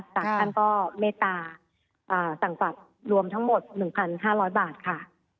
ต่างท่านก็เมตตาสั่งบัตรรวมทั้งหมด๑๕๐๐บาทค่ะ